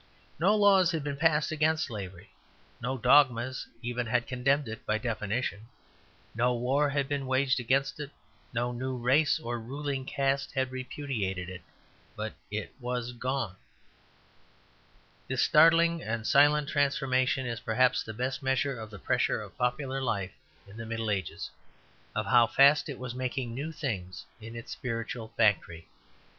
No laws had been passed against slavery; no dogmas even had condemned it by definition; no war had been waged against it, no new race or ruling caste had repudiated it; but it was gone. This startling and silent transformation is perhaps the best measure of the pressure of popular life in the Middle Ages, of how fast it was making new things in its spiritual factory.